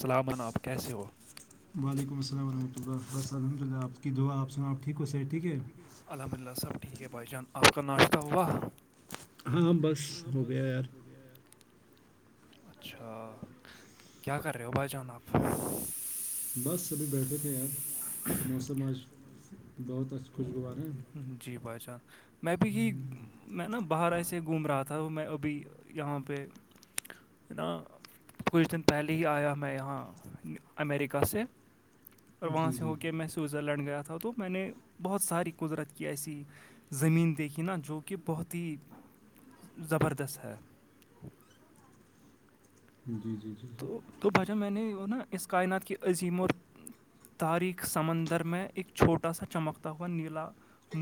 سلامن آپ کیسے ہو وعلیکم السلام ورحمۃ اللہ وسحمد اللہ آپ کی دعاپنا آ ٹھیک ہو س ہے ٹھیک ہے الحمد للہ سب ٹھیک ہے بائی چانس آپ کااشتہ ہوا ہاںاں بس ہاں ہو بس گیا یار ہو گیا یار اچھا کیا کر رہے ہو بھائی جان آپ بس ابھی بیٹھے تھے یار موسم آج بہت اچھا خوشگوار ہے جی بھائی چان [unintelligible] میں بھی یہ میں نا باہر ایسے گھوم رہا تھا میں ابھی یہاں پہ نا کچھ دن پہلے ہی آیا میں یہاں امیریکہ سے اور وہاں جی سے جی ہو کے میں سوئزرلینڈ گیا تھا تو میں نے بہت ساری قدرت کی ایسی زمین دیکھی نا جو کہ بہت ہی زبردست ہے جی جی جی جی تو تو بھاجا میں نے وہ نا اس کائنات کی عظیم اور تاریخ سمندر میں ایک چھوٹا سا چمکتا ہوا نیلا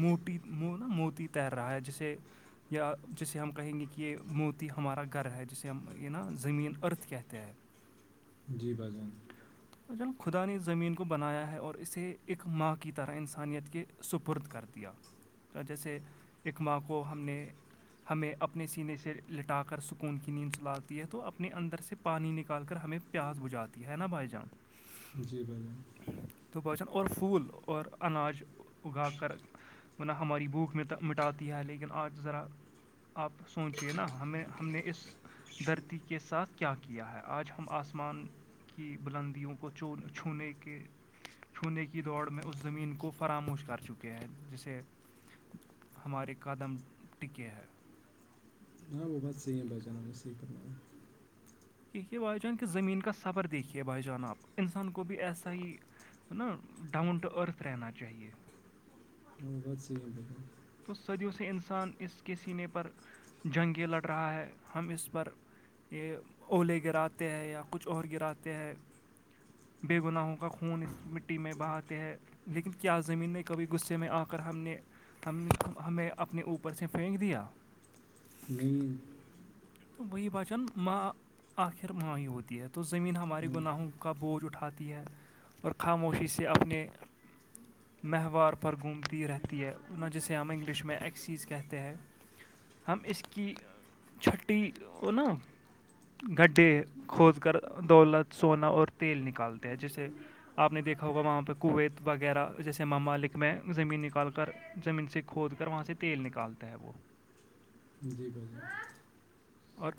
موتی م نا موتی تیر رہا ہے جیسے یا جسے ہم کہیں گے کہ یہ موتی ہمارا گھر ہے جسے ہم یہ نا زمین ارتھ کہتے ہیں [unintelligible] جی بھ جان جی جل خدا نے اس زمین کو بنایا ہے اور اسے ایک ماں کی طرح انسانیت کے سپرد کر دیا جیسے ایک ماں کو ہم نے ہمیں اپنے سینے سے لٹا کر سکون کی نیند چلاتی ہے تو اپنے اندر سے پانی نکال کر ہمیں پیاس بجھاتی ہے نا بائی جانس جی بولے تو باچان اور پھول اور ان اناج اگا کر ن ہماری بھوک مٹ مٹاتی ہے لیکن آج ذرا آپ سوچیے نا ہمیں ہم نے اس دھرتی کے ساتھ کیا کیا کیا ہے آج ہم آسمان کی بلندیوں کو چھونے کے چھونے کی دوڑ میں اس زمین کو فراموش کر چکے ہیں جیسے ہمارے قدم ٹکے ہیں ہاں وہ بات صحیح ہے بس جاناج صحیح پرڑھ ہے کیھیے بھائی جان کہ زمین کا صبر دیکھیے بھائی جان آپ انسان کو بھی ایسا ہی نا ڈاؤن ٹو ارتھ رہنا چاہیے اور بہت صیح تو صدیوں سے انسان اس کے سینے پر جنگیں لڑ رہا ہے ہم اس پر یہ اولے گراتے ہیں یا کچھ اور گراتے ہیں بے گناہوں کا خون اس مٹی میں بہاتے ہے لیکن کیا زمین میں کبھی غصے میں آپ کر ہم نے ہم نے ہمیں اپنے اوپر سے پھینک دیا نہیں تو وہی بچن ماں آخر ماں ہی ہوتی ہے تو زمین ہمارے ہاں، گناہوں کا بوجھ اٹھاتی ہے اور خاموشی سے اپنے مہوار پر گھومتی رہتی ہے جسے ہم انگلش میں ایک چیز کہتے ہیں ہم اس کی چھٹی ا نا گڈھے کھود کر دولت سونا اور تیل نکالتے ہیں جیسے آپ نے دیکھا ہوگا وہاں پہ کویت وغیرہ جیسے ممالک میں زمین نکال کر زمین سے کھود کر وہاں سے تیل نکالتا ہے وہ جی بھائیے اور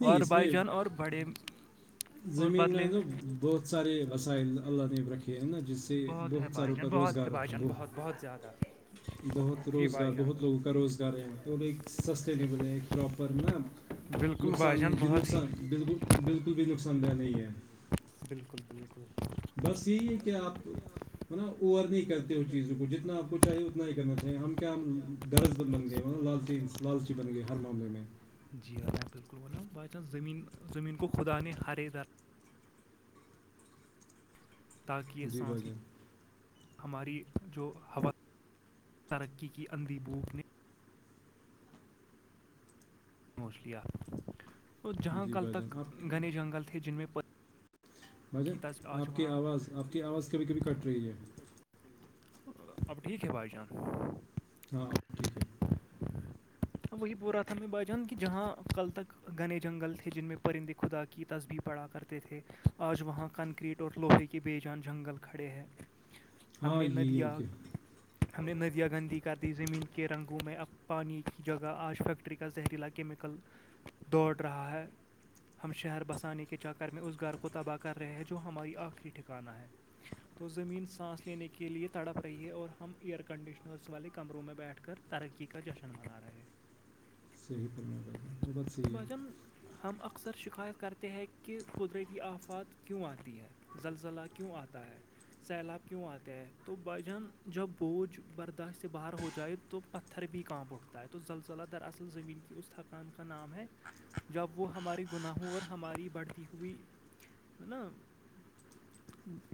نہیں اور اس بھائی میں جان اور بڑے اور زمین میں بدلے نا بہت سارے وسائل اللہ نے رکھے ہیں نا جس سے بہت ساروں کا روز ح باجن بہت بہت زیادہ بہت جی بھائی روزگار جان بہت لوگوں کا روزگار ہے یہاں پ سسٹینبل ہیں ایک پراپر مطلب بالکل بھائی نقصان جان نہیں د بہت ہی نقصان بالکل بالکل بھی نقصان دہ نہیں ہے بالکل بالکل بس یہی ہے کہ آپ ما ا نہیں کرتے اس چیزوں کو جتنا آپ کو چاہیے اتنا ہی کرنا چاہیے ہم کیا ہم گرض بند بن گئے ہیں لالچی سے لالچی بن گئی ہر معاملے میں جی ہاں ہ بالکلن بائی چانس زمین زمین کو خدا نے ہر ا در تاکہ یہ جی سانس بھائی ل جان ہماری جو ہوا ترقی کی اندھی بھوک نے نوچ لیا وہ جہاں جی کل بھائی جان تک آپ گھنے جنگل تھے جن میں پ بھجن آپ کی آواز آپ کی آواز کبھی کبھی کٹ رہی ہے اب ٹھیک ہے بھائی جان ہب ٹھیک ہے [inaudible] وہی پورا تھا میں با جان کہ جہاں کل تک گھنے جنگل تھے جن میں پرندے خدا کی تصبیح پڑھا کر تھے آج وہاں کنکریٹ اور لوہے کے بے جان جنگل کھڑے ہیں ہم ہاں نے یہ ہے ندیاں کہ ہم نے ندیاں گندی کر دی زمین کے رنگوں میں اب پانی کی جگہ آج فیکٹری کا زہریلا کیمیکل دوڑ رہا ہے ہم شہر بسانے کے چکر میں اس گھر کو تباہ کر رہے ہیں جو ہماری آخری ٹھکانا ہے تو زمین سانس لینے کے لیے تڑپ رہی ہے اور ہم ایئر کنڈیشنرس والے کمروں میں بیٹھ کر ترقی کا جشن منا رہے ہیں صحیح پرنا با وہ بت صحیح ہے بھاجن ہم اکثر شکایت کرتے ہیں کہ قدرتی آفات کیوں آتی ہے زلزلہ کیوں آتا ہے سیلاب کیوں آتے ہے تو بھ جان جب بوجھ برداشت سے باہر ہو جائے تو پتھر بھی [unintelligible] کانپ بوٹتا ہے اس زلزلہ در اصل زمین کی اس تھک [unintelligible] کان کا نام ہے جب وہ ہماری گناہوں اور ہماری بڑھتی ہو [unintelligible] خبی ما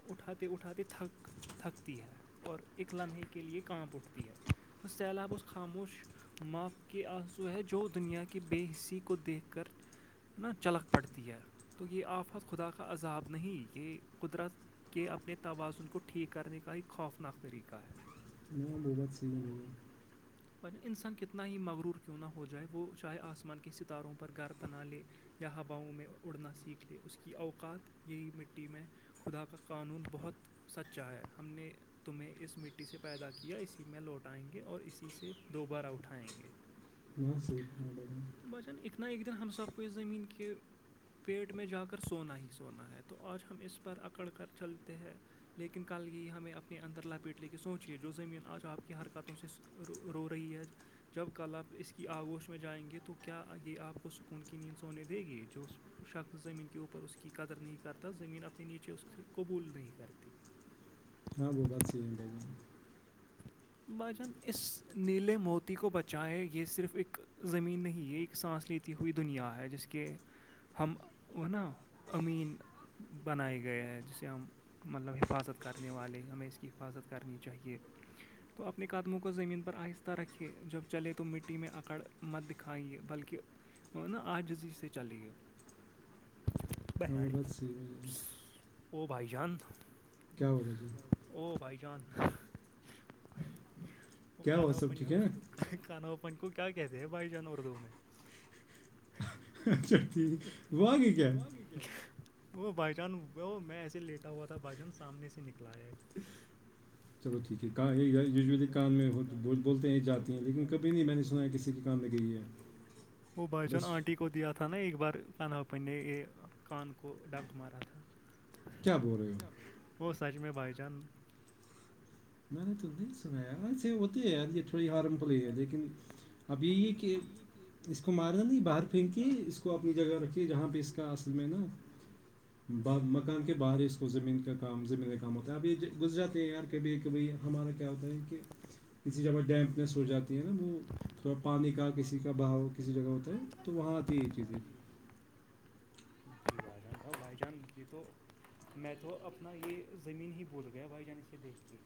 اٹھاتے اٹاتے تھک تھکتی ہے [unintelligible] اور ایک لمحے کے لیے کانپ اٹھتی ہے تو سیلاب اس [unintelligible] خاموش ماںپ کے آنسو ہے جو دنیا کے بے حصی کو دیکھ کر [unintelligible] ن چلک پڑتی ہے تو یہ آفت خدا کا عذاب نہیں یہ قدرت [unintelligible] کہ اپنے توازن کو ٹھیک کرنے کا ایک خوفناک طریقہ ہے [unintelligible] بوگت چی نہیں ہیں انسان کتنا ہی مغرور کیوں نہ ہو جائے وہ چاہے آسمان کے ستاروں پر گھر بنا لے یا ہواؤں میں اڑنا سیکھ لے اس کی اوقات یہی مٹی میں خدا کا قانون بہت [unintelligible] سچا ہے ہم نے تمہیں اس مٹی سے پیدا کیا اسی میں لوٹ آئیں گے اور اسی سے دو بار اٹھائیں گے جان. ہاں صحیح فرمایا بھائی جان تو بچان ا [unintelligible] تنا ایک دن ہم سب کو اس زمین کے پیٹ میں جا کر سونا ہی سونا ہے تو آج ہم اس پر اکڑ کر چلتے ہیں لیکن کل یہ ہمیں اپنے اندر لاپیٹ لے کے سوچیے جو زمین آج آپ کی حرکاتوں سے رو رو رہی ہے [unintelligible] جب کل آپ اس کی آگوش میں جائیں گے تو کیا یہ آپ کو سکون کی نیند سونے دے گی جو شخص زمین کے اوپر اس کی قدر نہیں کرتا زمین اپنے نیچے اس سے قبول نہیں کرتی ہاں وہ بات صحیح ہو رہے گی بھائی جان اس نیلے موتی کو بچائائے یہ صرف ایک [unintelligible] زمین نہیں یہ ایک سانس لیتی ہوئی دنیا ہے جس کے ہم وہ نا امین بنائے گئے ہیں جسے ہم مطلب حفاظت کرنے والے ہمیں اس کی حفاظت کرنی چاہیے [unintelligible] تو اپنے قدموں کو زمین پر آہستہ رکھیے جب چلے تو مٹی میں اکڑ مت دکھائیے بلکہ [unintelligible] وہ نا آجزی سے چلے ہ وہ بت سی ہو او بھائی چانند کیا ہوگ جی ا بائی چانس [unintelligible] کیا ہو سب ٹھیک ہے [unintelligible] کانو پن کو کیا کہتے ہیں بھائی جان اردو میں اچھا ٹھیک وہ آ گی کیا ہے [unintelligible] وہ بھائی جان وہ میں ایسے لیٹا ہوا تھا بھائی جان سامنے سے نکلا آیا ایک [unintelligible] [inaudible] چلو ٹھیک ہےاں یولی کان میں ہو تو بولتے ہیں جاتی ہیں لیکن کبھی نہیں میں نے سنا ہے کسی کے کان میں گئی ہے [unintelligible] وہ با اوون بس آنٹی کو دت تھا نا اق بار کنا پہ ن یہ کان کو ڈنک مارا کیا بول رہے ہو تھا وہ سچ میں بائی جان میں نے تم نے نہیں سنایا یار یہ تھوڑی ہارم فل ہی ہے لیکن اب یہی ہے کہ اس کو مارنا نہیں باہر کے پھنکی اس کو اپنی جگہ رکھیے جہاں پہ اس کا اصل میں نا ب مکان کے باہر ہی اس کو زمین کا کام زمین کام ہوتا ہے اب یہ گز جاتے ہیں یار کبھی کبھی ہمارا کیا ہوتا ہے کہ [unintelligible] کسی جگہ ڈیمپنیس ہو جاتی ہے نا وہ تھوڑا پانی کا کسی کا بہا کسی جگہ ہوتا ہے تو وہاں آتی یہ چیزیں جی بھائی جان بھائی چان ج تو میں تو اپنا یہ زمین ہی بھول گیا بھائی جان اسے دیکھ کے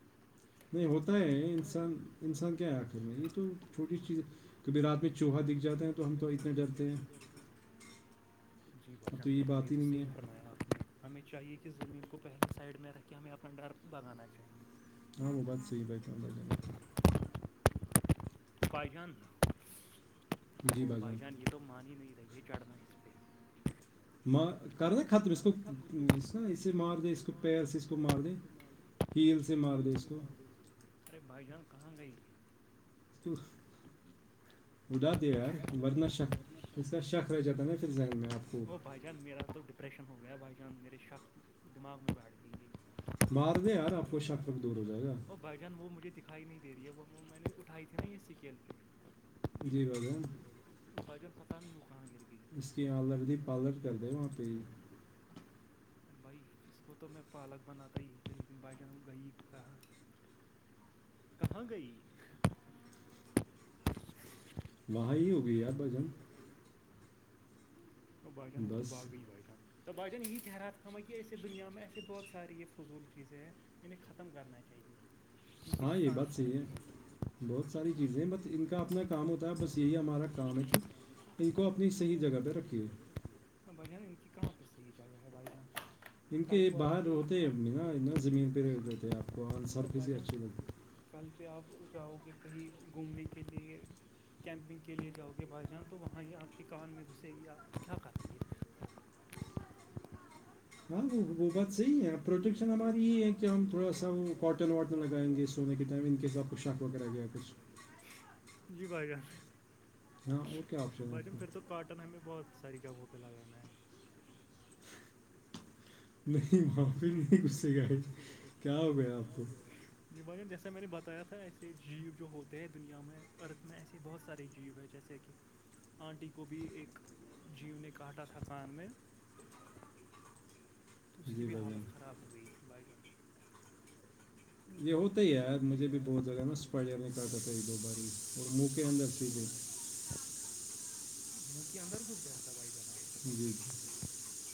نہیں ہوتا ہے انسان انسان کیا یا کرنا یہ تو چھوٹی چیز کبھی رات میں چوہا دکھ جاتا ہے تو ہم تو اتنا ڈرتے ہیں جی اب تو بائیشان یہ بالکل ہی بات نہیں توی ہے ہمیں چاہیے کہ زمین کو پہلے سائڈ میں رکھ کے ہمیں اپنا ڈر بگانا چاہیے ہاں وہ بات صحیح بائی تو ج [inaudible] بھائی جان او بھائی جان یہ تو مان ہی نہیں رہی ہے چڑھنا اس پہ کر نا ختم اس کو ن اس مار د اس پ سے اس کو مارد ہیں ہیل سے مار دو اس کو ارے بھائی جان کہاں گئی و بدا دے یار وردنہ شک اس کا شک رہ جاتا نا پھر جائیں گے میں آپ کو وہ بھائی جان میرا تو ڈپریشن ہو گیا بھائی جان میرے شک دماغ میں بیٹھ گئی یہ مار د یار آپ کو شاک دور ہو جائے گا بائی چان وہ مجھے دکھائی نہیں دے رہی ہے وہ وہ میں نے اٹھائی تھی نا یہ اسکیل پہ جی بائییا بھجن پت نہیں ہو کہاں گ اس کی آلردی پارلر کر دے وہاں پہ ہی [inaudible] بھائی اس کو تو میں پالک بناتا ہی تھا لیکن بھائی جان گئی کہا کہاں گئی وہاں ہی ہو گئی پ بھجن وہ بان وہ تو بس باقی بچان تو بھائی جان یہ کہہ رہا تھا کہ ایسے دنیا میں ایسے بہت ساری یہ فضول چیزیں ہیں انہیں ختم کرنا چاہیے ہاں کسی یہ کام بات کی صحیح نہیں ہے بہت ساری چیزیں ہیں بس ان کا اپنا کام ہوتا ہے بس یہی ہمارا کام ہے کہ ان کو اپنی صحیح جگہ پہ رکھیے بڑیا نا ان کی کہاں پہ صحیح جگہ ہے بڑیا ان کے باہر ہوتے ہیں ابنااا زمین پہ ر دیتے ہیں آپ کو ان سرف بھائی ہی اچھی جان لگتی ہے کل سے آپ جاؤ گے کہیں گھومنے کے لیے کیمپنگ کے لیے جاؤ کے پاس جان تو وہاں ہی آپ کے کان میں گھسے گییاپ کیا کر ہ ب ب ب صحی ہے پروٹیکشن ہماری یہ ہے کہ ہم تھوڑا سا وہ کاٹن واٹن لگائیں گے سونے کے ٹائم ان کیس آپ کو شک وغیرہ گیا کرس جی بھائی جان ہاں اور کیا آپشن ہے بھائی آپ جان کو پھر تو کاٹن ہمیں بہت ساری جگہوں پہ لگانا ہے نہیں معافی نہیں سے کہ کیا ہو گیا آپ کو یہ بن جیسا میں نے بتایا تھا ایسے جیو جو ہوتے ہیں دنیا میں ارتھ میں ایسے بہت سارے جیو ہے جیسے جیسے کہ آنٹی کو بھی ایک جیو نے کاٹا تھا پان میں تو اس کی جی بھی بھائی جان حالت خراب ہو گئی تھی بھائی جان یہ ہوت یار مجھے بھی بہت جگہ نا اسپر کرتا دو باری اور منہ کے اندر سیدھے مک اندر کز کر بائی جان جی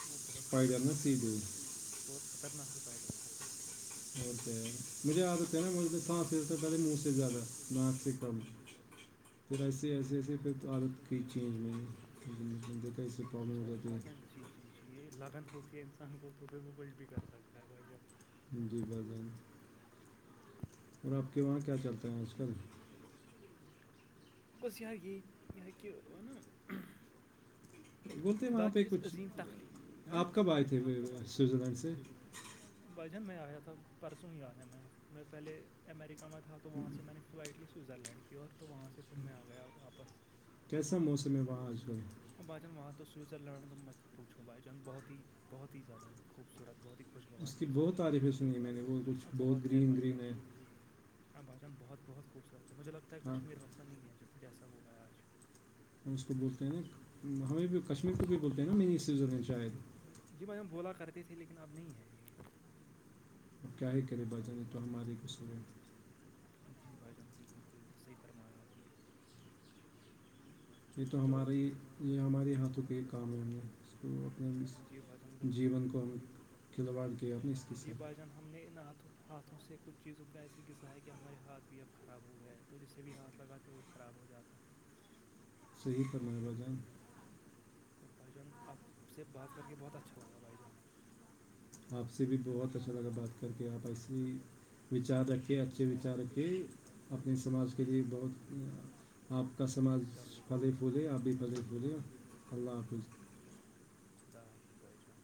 وہ بہت اسپائڈر نا خطرناک سیدھے بہت خطرناک سپڈر تھا پھر اور س مجھے یاد نا م س پ سے پہلے منہ سے زیادہ ناچ سے کم پھر ایسے ایسے ایسے پھر عالت کی چینج میں دیکھا ایے پرابلم ہو اچھا جاتی ہے بھائی جان جی جی جی یہ لگن ہوتی ہے انسان کو تو پھر وہ کچھ بھی کر سکتا ہے بھائی جان ہندی بھازن اور آپ کے وہاں کیا چلتے ہیں آج کل بس یہاں یہ یہ کہ ونا بولتے ہیں خدا وہاں پہ کی اس کچھ عظیم تخلیق آپ کب آئے تھے سوئٹزرلینڈ سے بھائی جان میں آیا تھا پرسوں ہی آیا میں میں پہلے امریکہ میں تھا تو وہاں سے میں نے فائٹلی سوئزرلینڈ کی اور تو وہاں سے پھر میں آ گیا آپسا کیسا موسم ہے وہاں آج کل ب جان وہاں تو سوزر لڑنے کا مت پوھو بائی چانس بہت ہی بہت ہی زیادہ خوبصورت بہت ہی خوشگوار اس کی موسم بہت تعریفیں سنی میں نے وہ کچھ ہے بہت ہے گرین بھائی گرین جان ہے ا بھائی جان بہت بہت خوبصورت ہے مجھے لگتا ہے ہاں کشمیر ویسا نہیں ہے جیسا وہ ہے آج ہم اس کو بول ہیں نا ہمیں بھی کشمیر کو بھی بولتے ہیں نا مینی سویزرلینڈ شاید جی بھائی ہم بولا کرتے تھے لیکن اب نہیں ہے اور کیا ہی کرے با جانے تو ہماراری ک سورے جی بھائی جان بالکل بالکل صحیح فرمایا آپ نے یہ تو ہمارا ہی یہ ہمارے ہاتھوں کا ایک کام ہے ہم نے اس کو اپنا جی بھائی جان بالکل جیون کو ان کھلواڑ کے ا اس کے جی ساتھ بھائی ہم نے انط ہاتھوں سے کچھ چیزوں کا ایسے غذہ ہے کہ ہمارے ہاتھ بھی اب خراب ہو گیا ہے تو جس سے بھی ہاتھ لگاتے وہ خراب ہو جاتا ہے صحیح فرم ب جان تو بھائی جان آپ سے بات کر کے بہت اچھا لگا بھائی جان آپ سے بھی بہت اچھا لگا بات کر کے آپ ایسی وچار رکھیں اچھے وچار رکھیں اپنے سماج کے جی لیے جی بھائی بہت آپ کا سماج چلو پھلے بھائی پھولے آپ بجٹ بولے اللہ حافظ اللہ حافظ خدا حافظ بائی جان